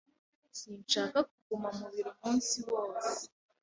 Sinshaka kuguma mu biro umunsi wose.